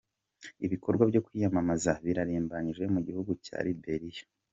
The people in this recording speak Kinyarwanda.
Ibikorwa byo kwiyamamaza birarimbanije mu gihugu cya Liberia.